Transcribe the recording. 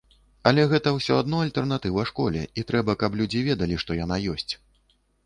Але гэта ўсё адно альтэрнатыва школе, і трэба, каб людзі ведалі, што яна ёсць.